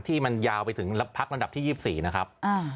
ที่มันยาวไปถึงพักลำดับที่๒๔นะครับ